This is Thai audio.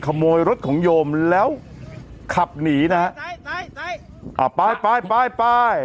ขโมยรถของโยมแล้วขับหนีนะฮะใส่ใส่ใส่อ่าไปไปไปไป